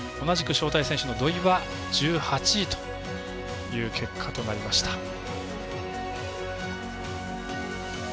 同じく招待選手の土井は１８位という結果となりました。